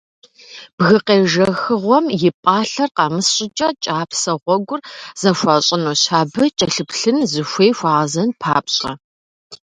Бгы къежэхыгъуэм и пӀалъэр къэмыс щӀыкӀэ кӀапсэ гъуэгур зэхуащӏынущ, абы кӀэлъыплъын, зыхуей хуагъэзэн папщӀэ.